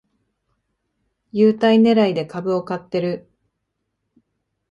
優待ねらいで株を買ってる